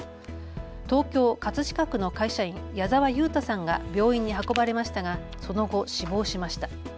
東京葛飾区の会社員、谷澤勇太さんが病院に運ばれましたがその後、死亡しました。